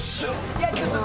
いやちょっと。